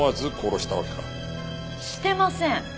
してません！